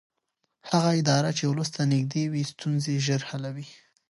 هغه اداره چې ولس ته نږدې وي ستونزې ژر حلوي